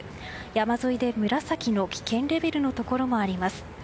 山沿いで紫の危険レベルのところもあります。